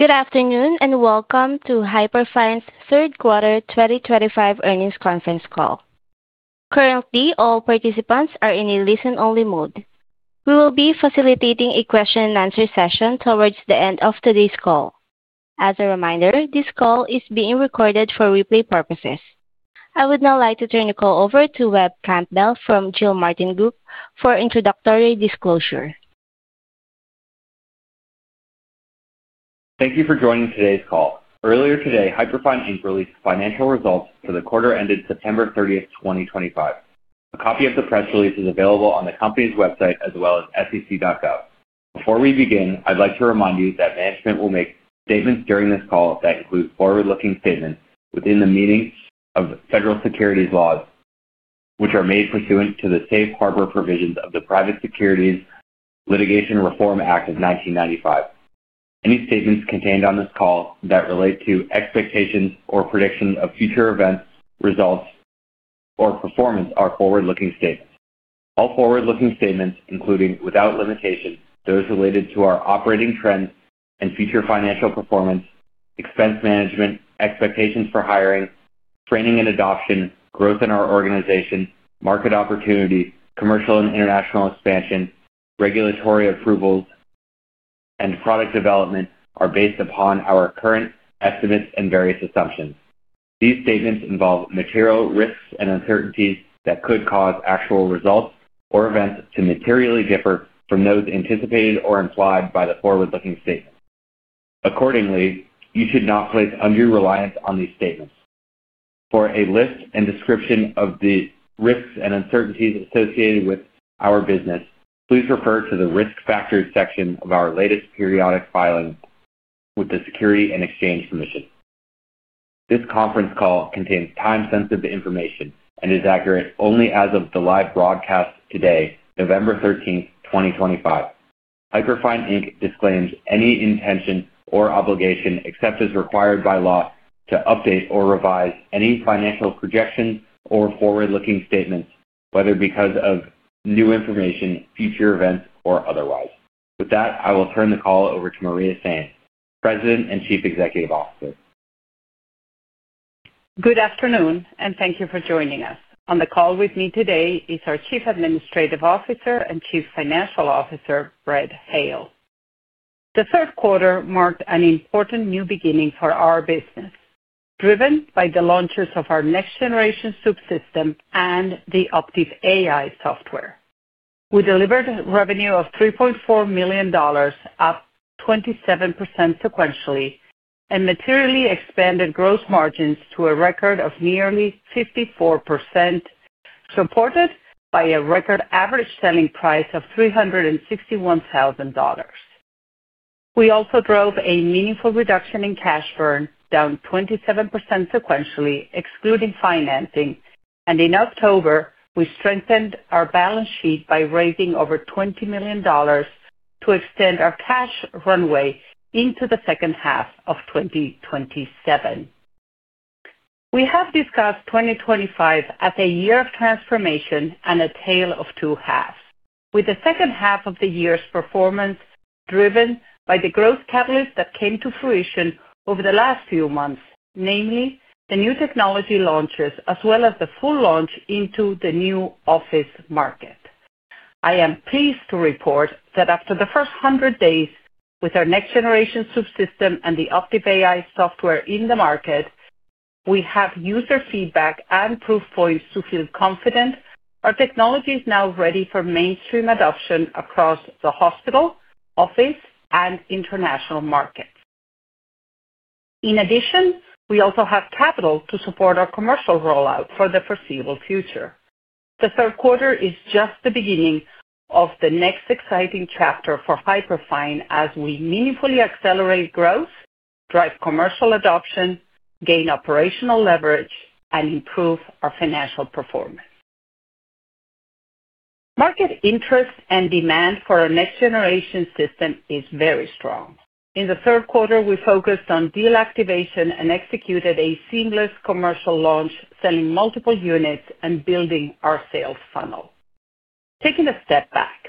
Good afternoon and welcome to Hyperfine's Third Quarter 2025 Earnings Conference Call. Currently, all participants are in a listen-only mode. We will be facilitating a question-and-answer session towards the end of today's call. As a reminder, this call is being recorded for replay purposes. I would now like to turn the call over to Webb Campbell from Gilmartin Group for introductory disclosure. Thank you for joining today's call. Earlier today, Hyperfine released financial results for the quarter ended September 30th, 2025. A copy of the press release is available on the company's website as well as sec.gov. Before we begin, I'd like to remind you that management will make statements during this call that include forward-looking statements within the meaning of federal securities laws, which are made pursuant to the safe harbor provisions of the Private Securities Litigation Reform Act of 1995. Any statements contained on this call that relate to expectations or prediction of future events, results, or performance are forward-looking statements. All forward-looking statements, including without limitation, those related to our operating trends and future financial performance, expense management, expectations for hiring, training and adoption, growth in our organization, market opportunity, commercial and international expansion, regulatory approvals, and product development are based upon our current estimates and various assumptions. These statements involve material risks and uncertainties that could cause actual results or events to materially differ from those anticipated or implied by the forward-looking statements. Accordingly, you should not place undue reliance on these statements. For a list and description of the risks and uncertainties associated with our business, please refer to the risk factors section of our latest periodic filing with the Securities and Exchange Commission. This conference call contains time-sensitive information and is accurate only as of the live broadcast today, November 13th, 2025. Hyperfine disclaims any intention or obligation except as required by law to update or revise any financial projections or forward-looking statements, whether because of new information, future events, or otherwise. With that, I will turn the call over to Maria Sainz, President and Chief Executive Officer. Good afternoon, and thank you for joining us. On the call with me today is our Chief Administrative Officer and Chief Financial Officer, Brett Hale. The third quarter marked an important new beginning for our business, driven by the launches of our next-generation subsystem and the Optiv AI software. We delivered revenue of $3.4 million, up 27% sequentially, and materially expanded gross margins to a record of nearly 54%, supported by a record average selling price of $361,000. We also drove a meaningful reduction in cash burn, down 27% sequentially, excluding financing. In October, we strengthened our balance sheet by raising over $20 million to extend our cash runway into the second half of 2027. We have discussed 2025 as a year of transformation and a tale of two halves, with the second half of the year's performance driven by the growth catalysts that came to fruition over the last few months, namely the new technology launches as well as the full launch into the new office market. I am pleased to report that after the first 100 days with our next-generation subsystem and the Optiv AI software in the market, we have user feedback and proof points to feel confident our technology is now ready for mainstream adoption across the hospital, office, and international markets. In addition, we also have capital to support our commercial rollout for the foreseeable future. The third quarter is just the beginning of the next exciting chapter for Hyperfine as we meaningfully accelerate growth, drive commercial adoption, gain operational leverage, and improve our financial performance. Market interest and demand for our next-generation system is very strong. In the third quarter, we focused on deal activation and executed a seamless commercial launch, selling multiple units and building our sales funnel. Taking a step back,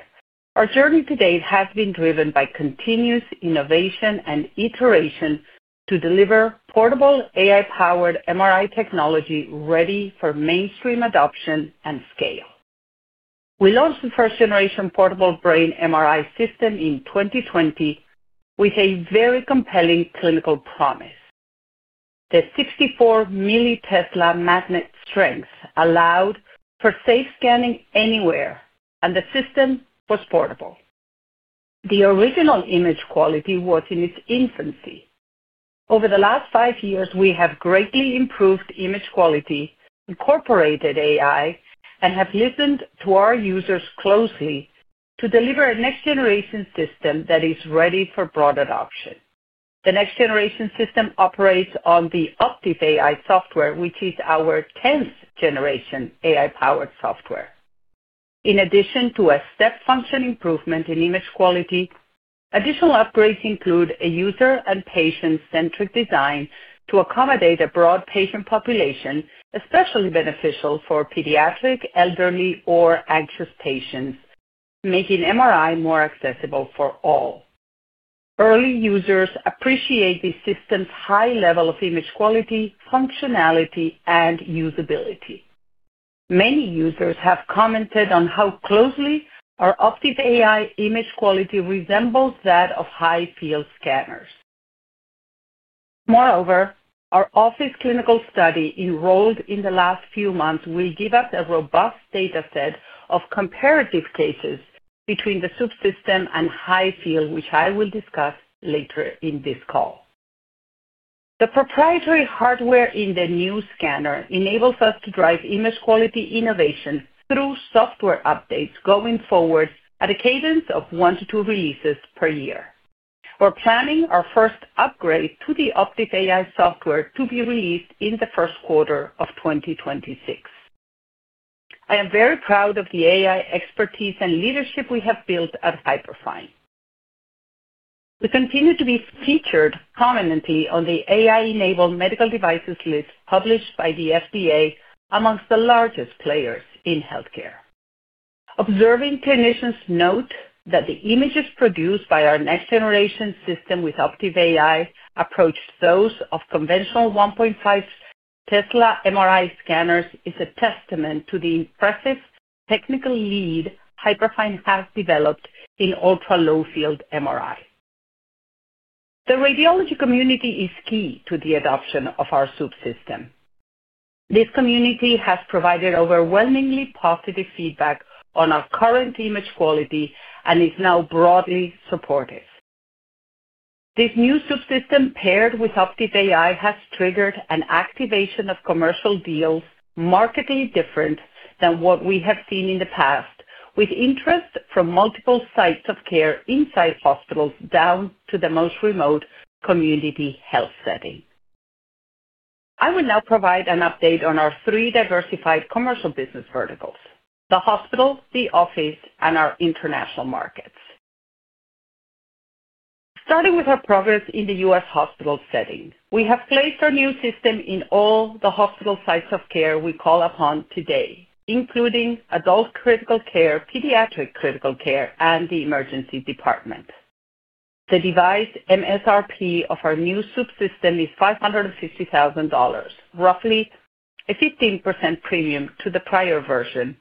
our journey to date has been driven by continuous innovation and iteration to deliver portable AI-powered MRI technology ready for mainstream adoption and scale. We launched the first-generation portable brain MRI system in 2020 with a very compelling clinical promise. The 64 mT magnet strength allowed for safe scanning anywhere, and the system was portable. The original image quality was in its infancy. Over the last five years, we have greatly improved image quality, incorporated AI, and have listened to our users closely to deliver a next-generation system that is ready for broad adoption. The next-generation system operates on the Optiv AI software, which is our 10th-generation AI-powered software. In addition to a step function improvement in image quality, additional upgrades include a user and patient-centric design to accommodate a broad patient population, especially beneficial for pediatric, elderly, or anxious patients, making MRI more accessible for all. Early users appreciate the system's high level of image quality, functionality, and usability. Many users have commented on how closely our Optiv AI image quality resembles that of high-field scanners. Moreover, our office clinical study enrolled in the last few months will give us a robust data set of comparative cases between the subsystem and high-field, which I will discuss later in this call. The proprietary hardware in the new scanner enables us to drive image quality innovation through software updates going forward at a cadence of one to two releases per year. We're planning our first upgrade to the Optiv AI software to be released in the first quarter of 2026. I am very proud of the AI expertise and leadership we have built at Hyperfine. We continue to be featured prominently on the AI-enabled medical devices list published by the FDA amongst the largest players in healthcare. Observing clinicians note that the images produced by our next-generation system with Optiv AI approach those of conventional 1.5 T MRI scanners is a testament to the impressive technical lead Hyperfine has developed in ultra-low-field MRI. The radiology community is key to the adoption of our subsystem. This community has provided overwhelmingly positive feedback on our current image quality and is now broadly supportive. This new subsystem paired with Optiv AI has triggered an activation of commercial deals markedly different than what we have seen in the past, with interest from multiple sites of care inside hospitals down to the most remote community health setting. I will now provide an update on our three diversified commercial business verticals: the hospital, the office, and our international markets. Starting with our progress in the U.S. hospital setting, we have placed our new system in all the hospital sites of care we call upon today, including adult critical care, pediatric critical care, and the emergency department. The device MSRP of our new subsystem is $550,000, roughly a 15% premium to the prior version,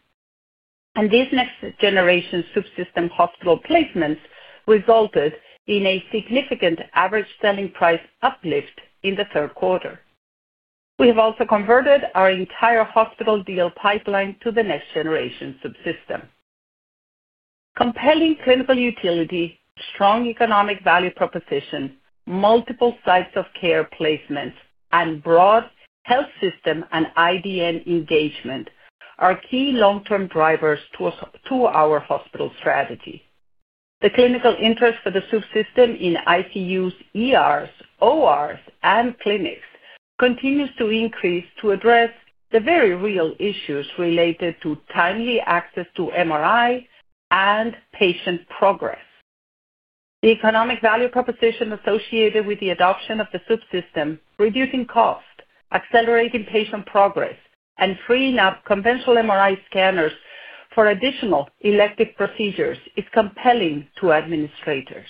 and this next-generation subsystem hospital placements resulted in a significant average selling price uplift in the third quarter. We have also converted our entire hospital deal pipeline to the next-generation subsystem. Compelling clinical utility, strong economic value proposition, multiple sites of care placements, and broad health system and IDN engagement are key long-term drivers to our hospital strategy. The clinical interest for the subsystem in ICUs, ERs, ORs, and clinics continues to increase to address the very real issues related to timely access to MRI and patient progress. The economic value proposition associated with the adoption of the subsystem, reducing cost, accelerating patient progress, and freeing up conventional MRI scanners for additional elective procedures is compelling to administrators.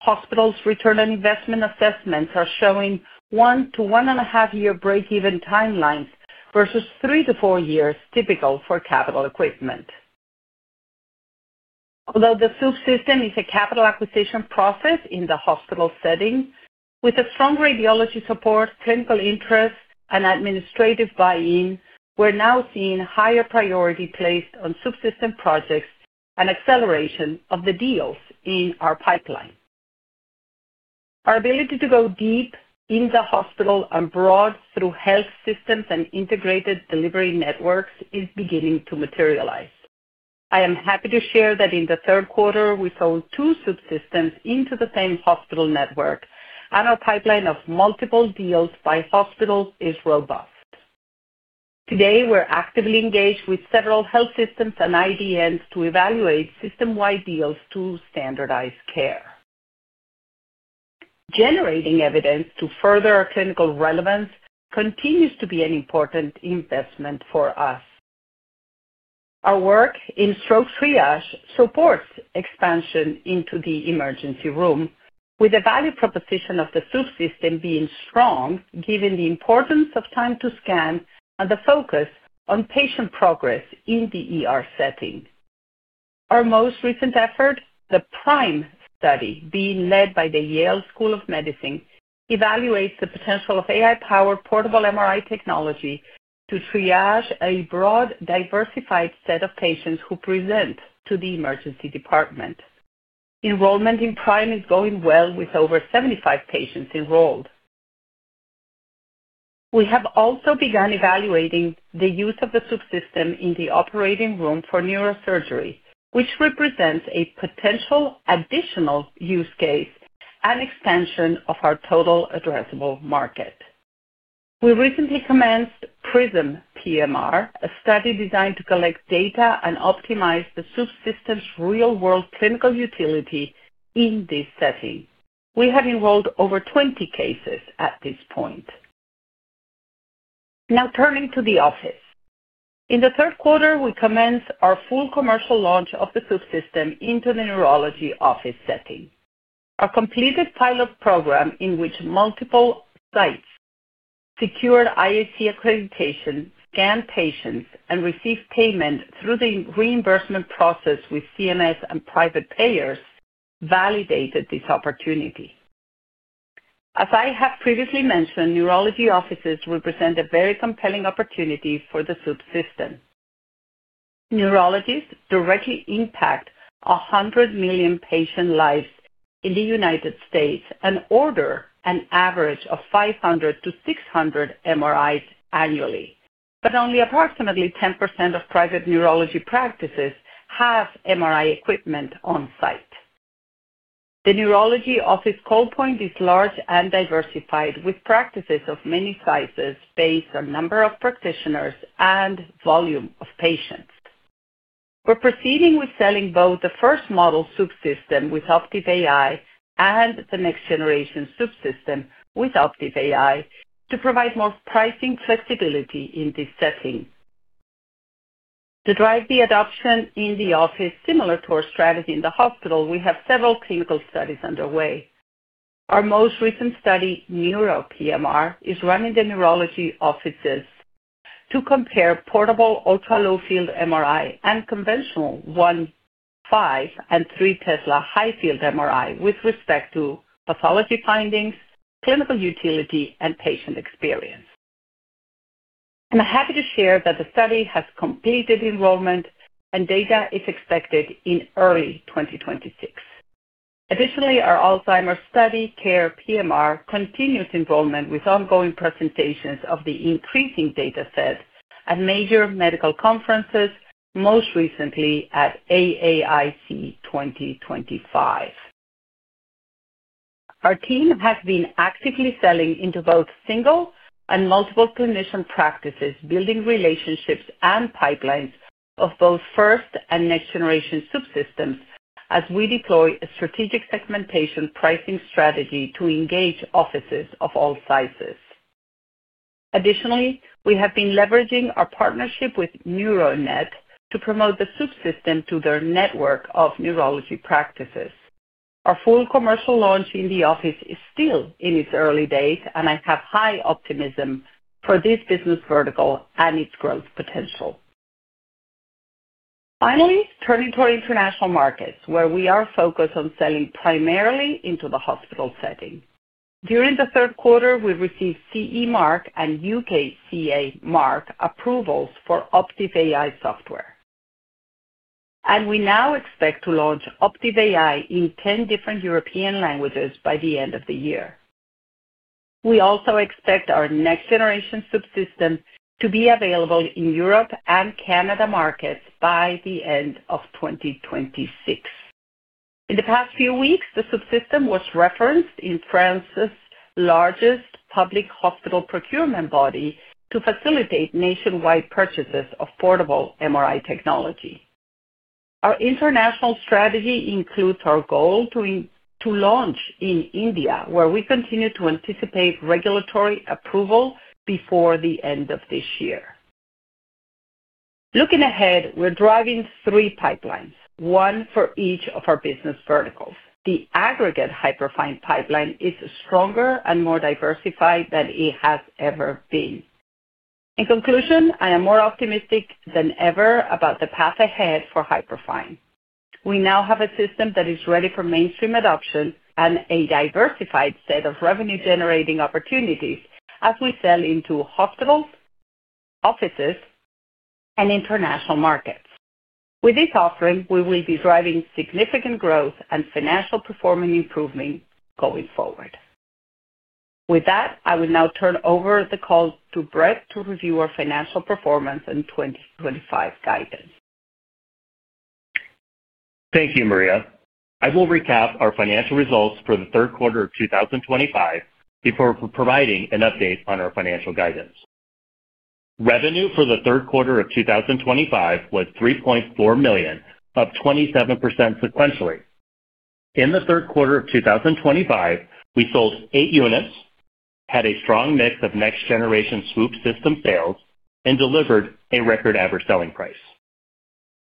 Hospitals' return on investment assessments are showing 1 year-1.5 year break-even timelines versus 3 years-4 years typical for capital equipment. Although the subsystem is a capital acquisition process in the hospital setting, with strong radiology support, clinical interest, and administrative buy-in, we're now seeing higher priority placed on subsystem projects and acceleration of the deals in our pipeline. Our ability to go deep in the hospital and broad through health systems and integrated delivery networks is beginning to materialize. I am happy to share that in the third quarter, we sold two Swoop systems into the same hospital network, and our pipeline of multiple deals by hospitals is robust. Today, we're actively engaged with several health systems and IDNs to evaluate system-wide deals to standardize care. Generating evidence to further our clinical relevance continues to be an important investment for us. Our work in stroke triage supports expansion into the emergency room, with the value proposition of the Swoop system being strong given the importance of time to scan and the focus on patient progress in the setting. Our most recent effort, the PRIME study, being led by the Yale School of Medicine, evaluates the potential of AI-powered portable MRI technology to triage a broad, diversified set of patients who present to the emergency department. Enrollment in PRIME is going well with over 75 patients enrolled. We have also begun evaluating the use of the subsystem in the operating room for neurosurgery, which represents a potential additional use case and expansion of our total addressable market. We recently commenced PRISM PMR, a study designed to collect data and optimize the subsystem's real-world clinical utility in this setting. We have enrolled over 20 cases at this point. Now turning to the office. In the third quarter, we commenced our full commercial launch of the subsystem into the neurology office setting. Our completed pilot program, in which multiple sites secured IAC accreditation, scanned patients, and received payment through the reimbursement process with CNS and private payers, validated this opportunity. As I have previously mentioned, neurology offices represent a very compelling opportunity for the subsystem. Neurologists directly impact 100 million patient lives in the United States and order an average of 500-600 MRIs annually, but only approximately 10% of private neurology practices have MRI equipment on site. The neurology office cold point is large and diversified, with practices of many sizes based on number of practitioners and volume of patients. We're proceeding with selling both the first model subsystem with Optiv AI and the next-generation subsystem with Optiv AI to provide more pricing flexibility in this setting. To drive the adoption in the office similar to our strategy in the hospital, we have several clinical studies underway. Our most recent study, Neuro PMR, is run in the neurology offices to compare portable ultra-low-field MRI and conventional 1.5 T and 3 T high-field MRI with respect to pathology findings, clinical utility, and patient experience. I'm happy to share that the study has completed enrollment, and data is expected in early 2026. Additionally, our Alzheimer's Study Care PMR continues enrollment with ongoing presentations of the increasing data set at major medical conferences, most recently at AAIC 2025. Our team has been actively selling into both single and multiple clinician practices, building relationships and pipelines of both first- and next-generation subsystems as we deploy a strategic segmentation pricing strategy to engage offices of all sizes. Additionally, we have been leveraging our partnership with NeuroNet to promote the subsystem to their network of neurology practices. Our full commercial launch in the office is still in its early days, and I have high optimism for this business vertical and its growth potential. Finally, turning to our international markets, where we are focused on selling primarily into the hospital setting. During the third quarter, we received CE mark and UKCA mark approvals for Optiv AI software, and we now expect to launch Optiv AI in 10 different European languages by the end of the year. We also expect our next-generation subsystem to be available in Europe and Canada markets by the end of 2026. In the past few weeks, the subsystem was referenced in France's largest public hospital procurement body to facilitate nationwide purchases of portable MRI technology. Our international strategy includes our goal to launch in India, where we continue to anticipate regulatory approval before the end of this year. Looking ahead, we're driving three pipelines, one for each of our business verticals. The aggregate Hyperfine pipeline is stronger and more diversified than it has ever been. In conclusion, I am more optimistic than ever about the path ahead for Hyperfine. We now have a system that is ready for mainstream adoption and a diversified set of revenue-generating opportunities as we sell into hospitals, offices, and international markets. With this offering, we will be driving significant growth and financial performance improvement going forward. With that, I will now turn over the call to Brett to review our financial performance and 2025 guidance. Thank you, Maria. I will recap our financial results for the third quarter of 2025 before providing an update on our financial guidance. Revenue for the third quarter of 2025 was $3.4 million, up 27% sequentially. In the third quarter of 2025, we sold eight units, had a strong mix of next-generation Swoop system sales, and delivered a record average selling price.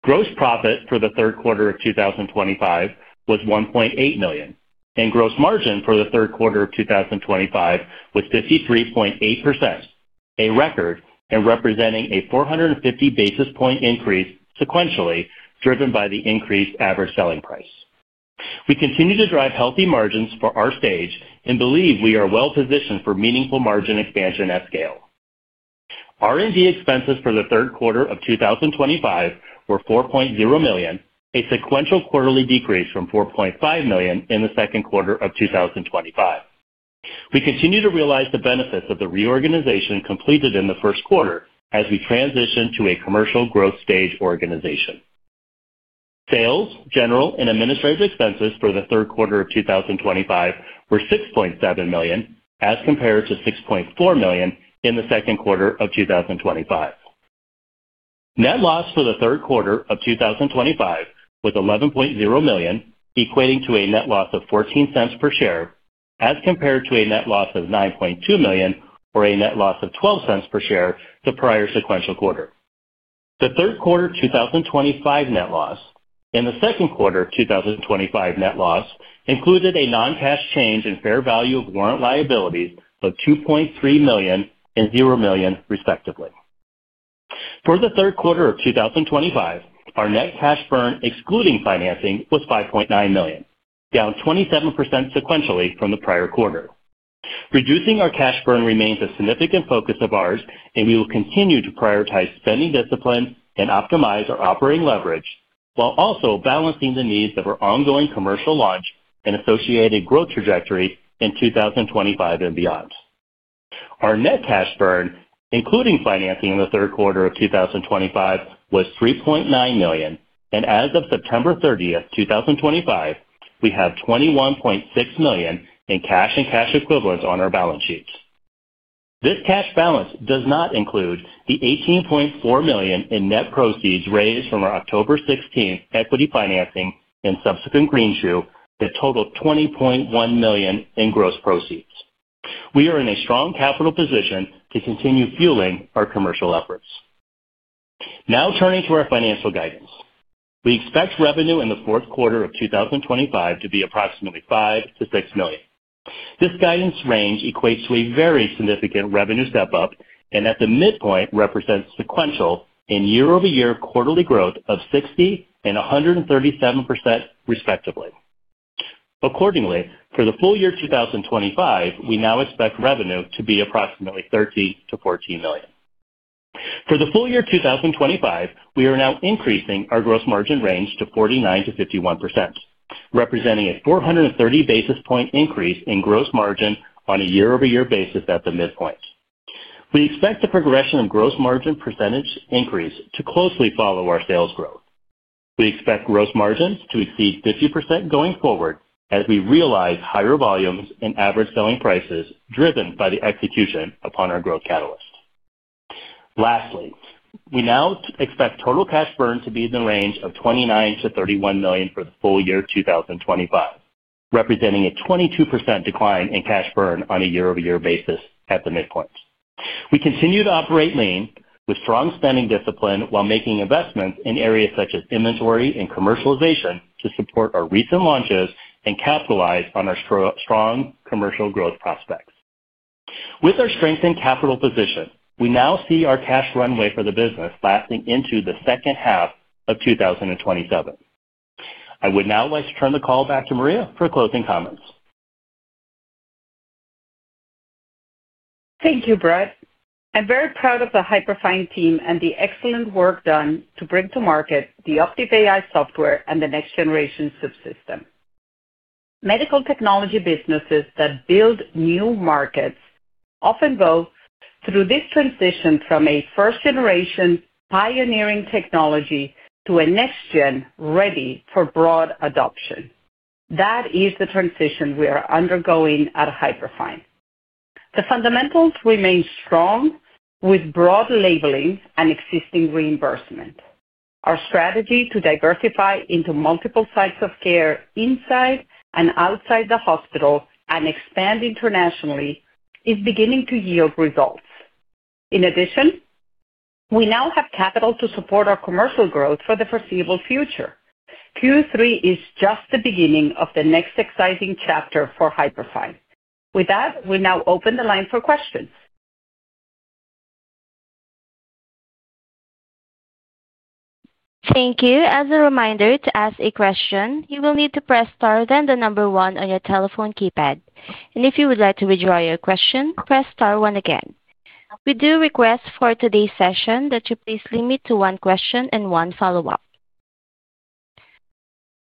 Gross profit for the third quarter of 2025 was $1.8 million, and gross margin for the third quarter of 2025 was 53.8%, a record and representing a 450 basis point increase sequentially driven by the increased average selling price. We continue to drive healthy margins for our stage and believe we are well-positioned for meaningful margin expansion at scale. R&D expenses for the third quarter of 2025 were $4.0 million, a sequential quarterly decrease from $4.5 million in the second quarter of 2025. We continue to realize the benefits of the reorganization completed in the first quarter as we transition to a commercial growth stage organization. Sales, general, and administrative expenses for the third quarter of 2025 were $6.7 million as compared to $6.4 million in the second quarter of 2025. Net loss for the third quarter of 2025 was $11.0 million, equating to a net loss of $0.14 per share as compared to a net loss of $9.2 million or a net loss of $0.12 per share the prior sequential quarter. The third quarter 2025 net loss and the second quarter 2025 net loss included a non-cash change in fair value of warrant liabilities of $2.3 million and $0 million respectively. For the third quarter of 2025, our net cash burn excluding financing was $5.9 million, down 27% sequentially from the prior quarter. Reducing our cash burn remains a significant focus of ours, and we will continue to prioritize spending discipline and optimize our operating leverage while also balancing the needs of our ongoing commercial launch and associated growth trajectory in 2025 and beyond. Our net cash burn, including financing in the third quarter of 2025, was $3.9 million, and as of September 30th, 2025, we have $21.6 million in cash and cash equivalents on our balance sheets. This cash balance does not include the $18.4 million in net proceeds raised from our October 16 equity financing and subsequent green shoe that totaled $20.1 million in gross proceeds. We are in a strong capital position to continue fueling our commercial efforts. Now turning to our financial guidance, we expect revenue in the fourth quarter of 2025 to be approximately $5 million-$6 million. This guidance range equates to a very significant revenue step-up, and at the midpoint represents sequential and year-over-year quarterly growth of 60% and 137% respectively. Accordingly, for the full year 2025, we now expect revenue to be approximately $13 million-$14 million. For the full year 2025, we are now increasing our gross margin range to 49%-51%, representing a 430 basis point increase in gross margin on a year-over-year basis at the midpoint. We expect the progression of gross margin percentage increase to closely follow our sales growth. We expect gross margins to exceed 50% going forward as we realize higher volumes and average selling prices driven by the execution upon our growth catalyst. Lastly, we now expect total cash burn to be in the range of $29 million-$31 million for the full year 2025, representing a 22% decline in cash burn on a year-over-year basis at the midpoint. We continue to operate lean with strong spending discipline while making investments in areas such as inventory and commercialization to support our recent launches and capitalize on our strong commercial growth prospects. With our strengthened capital position, we now see our cash runway for the business lasting into the second half of 2027. I would now like to turn the call back to Maria for closing comments. Thank you, Brett. I'm very proud of the Hyperfine team and the excellent work done to bring to market the Optiv AI software and the next-generation subsystem. Medical technology businesses that build new markets often go through this transition from a first-generation pioneering technology to a next-gen ready for broad adoption. That is the transition we are undergoing at Hyperfine. The fundamentals remain strong with broad labeling and existing reimbursement. Our strategy to diversify into multiple sites of care inside and outside the hospital and expand internationally is beginning to yield results. In addition, we now have capital to support our commercial growth for the foreseeable future. Q3 is just the beginning of the next exciting chapter for Hyperfine. With that, we now open the line for questions. Thank you. As a reminder, to ask a question, you will need to press star then the number one on your telephone keypad. If you would like to withdraw your question, press star one again. We do request for today's session that you please limit to one question and one follow-up.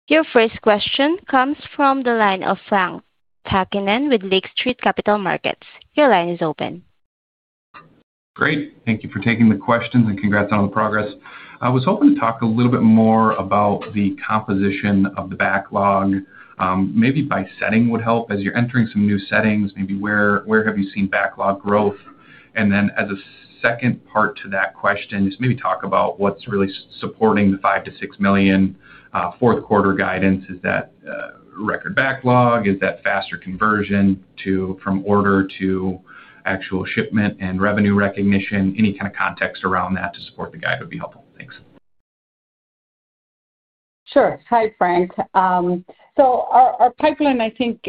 Your first question comes from the line of Frank Takkinen with Lake Street Capital Markets. Your line is open. Great. Thank you for taking the questions and congrats on the progress. I was hoping to talk a little bit more about the composition of the backlog. Maybe by setting would help as you are entering some new settings. Maybe where have you seen backlog growth? As a second part to that question, just maybe talk about what's really supporting the $5 million-$6 million fourth quarter guidance. Is that record backlog? Is that faster conversion from order to actual shipment and revenue recognition? Any kind of context around that to support the guide would be helpful. Thanks. Sure. Hi, Frank. Our pipeline, I think,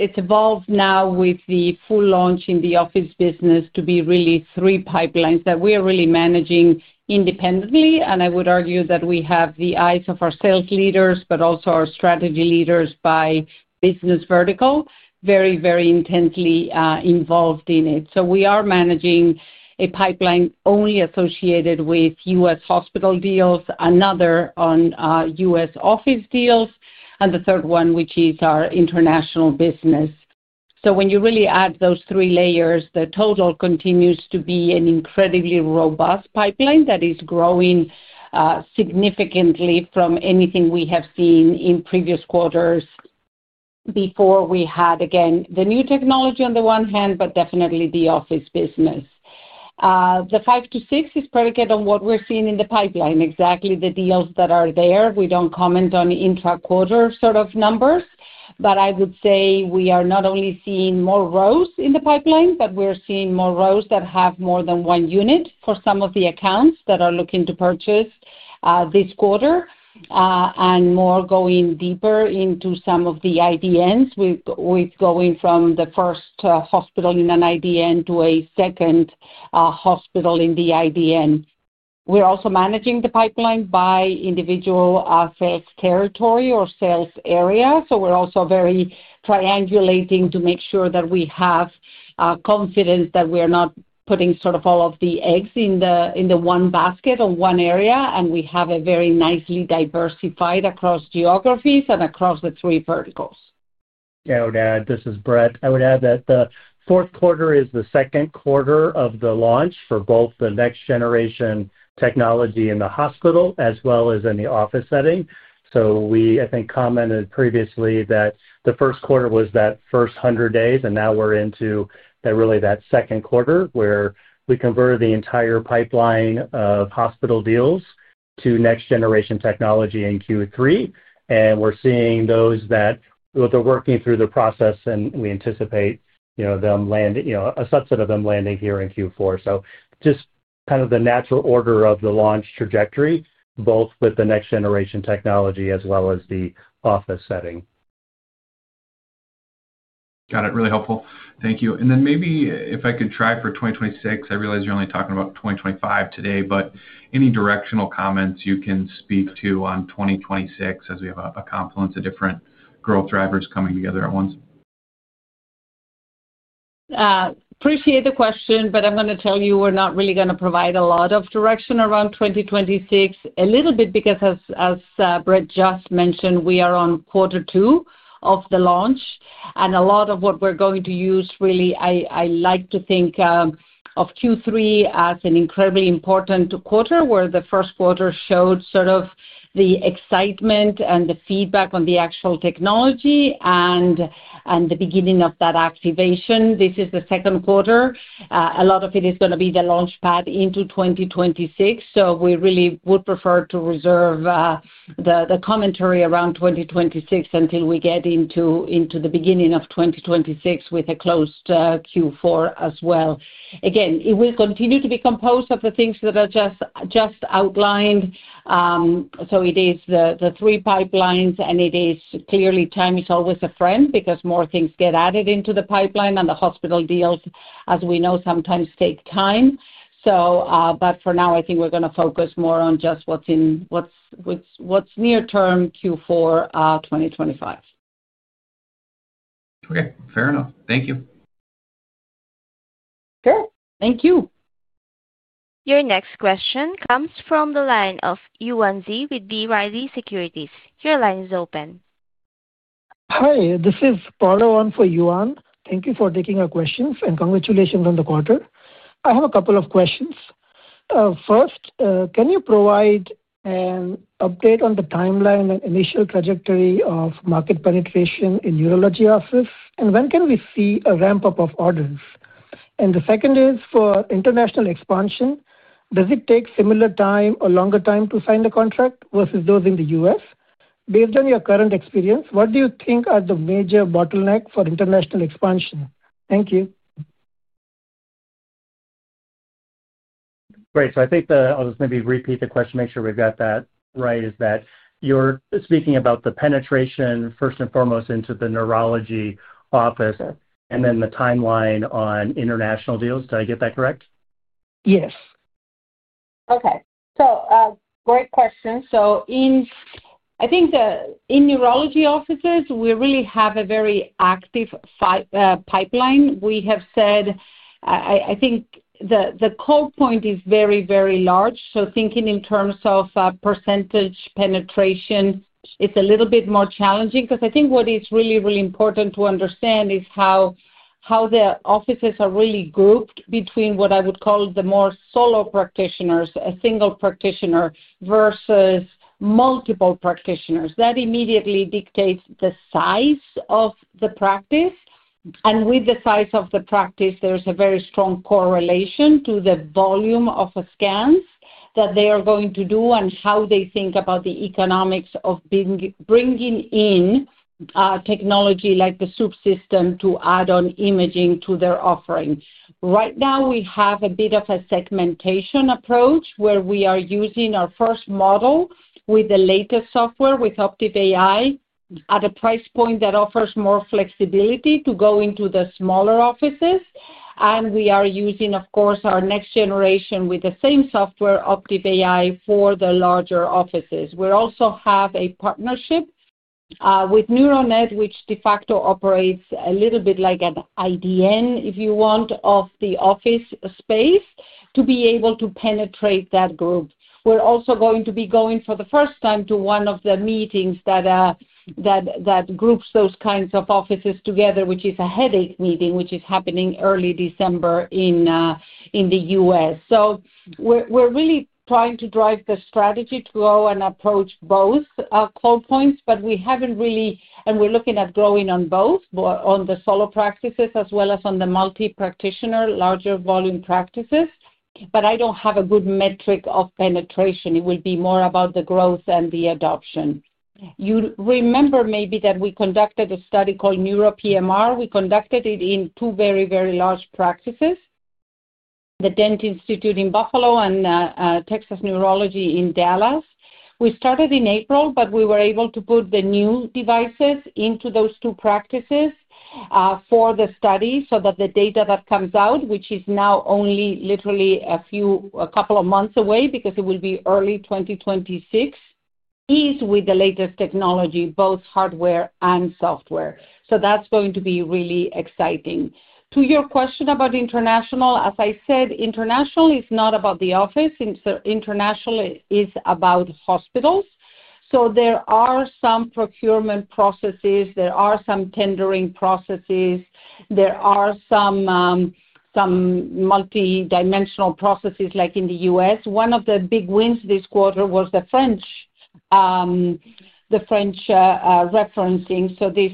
it's evolved now with the full launch in the office business to be really three pipelines that we are really managing independently. I would argue that we have the eyes of our sales leaders, but also our strategy leaders by business vertical very, very intensely involved in it. We are managing a pipeline only associated with U.S. hospital deals, another on U.S. office deals, and the third one, which is our international business. When you really add those three layers, the total continues to be an incredibly robust pipeline that is growing significantly from anything we have seen in previous quarters before we had, again, the new technology on the one hand, but definitely the office business. The five to six is predicated on what we're seeing in the pipeline, exactly the deals that are there. We do not comment on intra-quarter sort of numbers, but I would say we are not only seeing more rows in the pipeline, but we're seeing more rows that have more than one unit for some of the accounts that are looking to purchase this quarter and more going deeper into some of the IDNs with going from the first hospital in an IDN to a second hospital in the IDN. We are also managing the pipeline by individual sales territory or sales area. We're also very triangulating to make sure that we have confidence that we are not putting sort of all of the eggs in the one basket or one area, and we have a very nicely diversified across geographies and across the three verticals. Yeah, this is Brett. I would add that the fourth quarter is the second quarter of the launch for both the next-generation technology in the hospital as well as in the office setting. We, I think, commented previously that the first quarter was that first 100 days, and now we're into really that second quarter where we converted the entire pipeline of hospital deals to next-generation technology in Q3. We're seeing those that they're working through the process, and we anticipate a subset of them landing here in Q4. Just kind of the natural order of the launch trajectory, both with the next-generation technology as well as the office setting. Got it. Really helpful. Thank you. Maybe if I could try for 2026, I realize you're only talking about 2025 today, but any directional comments you can speak to on 2026 as we have a confluence of different growth drivers coming together at once? Appreciate the question, but I'm going to tell you we're not really going to provide a lot of direction around 2026. A little bit because, as Brett just mentioned, we are on quarter two of the launch. A lot of what we're going to use really, I like to think of Q3 as an incredibly important quarter where the first quarter showed sort of the excitement and the feedback on the actual technology and the beginning of that activation. This is the second quarter. A lot of it is going to be the launchpad into 2026. We really would prefer to reserve the commentary around 2026 until we get into the beginning of 2026 with a closed Q4 as well. Again, it will continue to be composed of the things that I just outlined. It is the three pipelines, and clearly time is always a friend because more things get added into the pipeline, and the hospital deals, as we know, sometimes take time. For now, I think we're going to focus more on just what's near-term Q4 2025. Okay. Fair enough. Thank you. Sure. Thank you. Your next question comes from the line of [Yuan Zi] with BYD Securities. Your line is open. Hi. This is [Paolo Ong] for Yuan. Thank you for taking our questions and congratulations on the quarter. I have a couple of questions. First, can you provide an update on the timeline and initial trajectory of market penetration in neurology offices? When can we see a ramp-up of orders? The second is for international expansion. Does it take similar time or longer time to sign the contract versus those in the U.S.? Based on your current experience, what do you think are the major bottlenecks for international expansion? Thank you. Great. I think I'll just maybe repeat the question, make sure we've got that right, is that you're speaking about the penetration first and foremost into the neurology office and then the timeline on international deals. Did I get that correct? Yes. Okay. Great question. I think in neurology offices, we really have a very active pipeline. We have said, I think the core point is very, very large. Thinking in terms of percentage penetration, it's a little bit more challenging because I think what is really, really important to understand is how the offices are really grouped between what I would call the more solo practitioners, a single practitioner versus multiple practitioners. That immediately dictates the size of the practice. And with the size of the practice, there's a very strong correlation to the volume of scans that they are going to do and how they think about the economics of bringing in technology like the Swoop system to add on imaging to their offering. Right now, we have a bit of a segmentation approach where we are using our first model with the latest software with Optiv AI at a price point that offers more flexibility to go into the smaller offices. We are using, of course, our next generation with the same software, Optiv AI, for the larger offices. We also have a partnership with NeuroNet, which de facto operates a little bit like an IDN, if you want, of the office space to be able to penetrate that group. We are also going to be going for the first time to one of the meetings that groups those kinds of offices together, which is a headache meeting, which is happening early December in the U.S. We are really trying to drive the strategy to go and approach both core points, but we have not really, and we are looking at growing on both, on the solo practices as well as on the multi-practitioner, larger volume practices. I do not have a good metric of penetration. It will be more about the growth and the adoption. You remember maybe that we conducted a study called Neuro PMR. We conducted it in two very, very large practices, the Dent Institute in Buffalo and Texas Neurology in Dallas. We started in April, but we were able to put the new devices into those two practices for the study so that the data that comes out, which is now only literally a couple of months away because it will be early 2026, is with the latest technology, both hardware and software. That is going to be really exciting. To your question about international, as I said, international is not about the office. International is about hospitals. There are some procurement processes. There are some tendering processes. There are some multidimensional processes like in the U.S. One of the big wins this quarter was the French referencing. This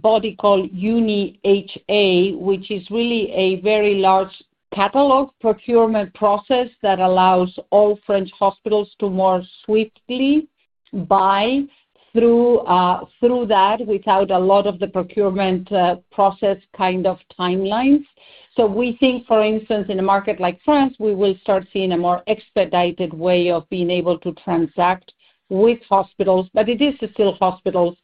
body called UniHA, which is really a very large catalog procurement process that allows all French hospitals to more swiftly buy through that without a lot of the procurement process kind of timelines. We think, for instance, in a market like France, we will start seeing a more expedited way of being able to transact with hospitals. It is still hospitals,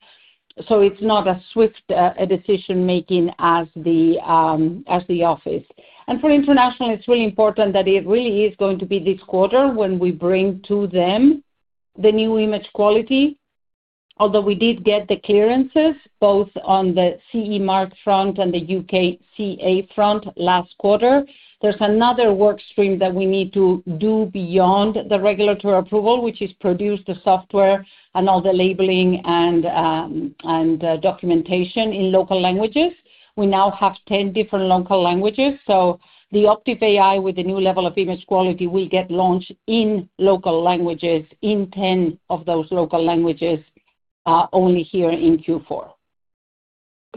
so it's not as swift a decision-making as the office. For international, it's really important that it really is going to be this quarter when we bring to them the new image quality. Although we did get the clearances both on the CE mark front and the UKCA front last quarter, there's another workstream that we need to do beyond the regulatory approval, which is produce the software and all the labeling and documentation in local languages. We now have 10 different local languages. So the Optiv AI with the new level of image quality will get launched in local languages in 10 of those local languages only here in Q4.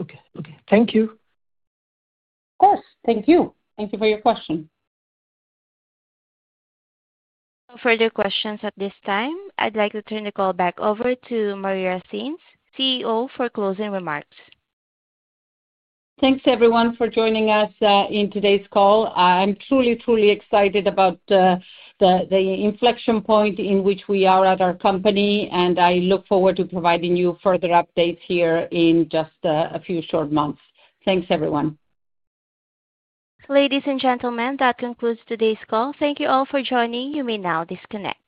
Okay. Thank you. Of course. Thank you. Thank you for your question. No further questions at this time. I'd like to turn the call back over to Maria Sainz, CEO, for closing remarks. Thanks, everyone, for joining us in today's call. I'm truly, truly excited about the inflection point in which we are at our company, and I look forward to providing you further updates here in just a few short months. Thanks, everyone. Ladies and gentlemen, that concludes today's call. Thank you all for joining. You may now disconnect.